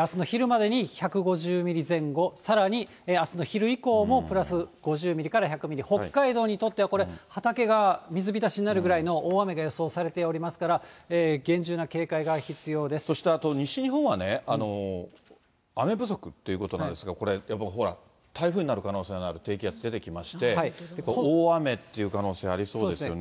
あすの昼までに１５０ミリ前後、さらに、あすの昼以降もプラス５０ミリから１００ミリ、北海道にとっては、これ、畑が水浸しになるぐらいの大雨が予想されておりますから、そしてあと、西日本はね、雨不足ということなんですが、これ、やっぱりほら、台風になる可能性のある低気圧出てきまして、大雨っていう可能性ありそうですよね。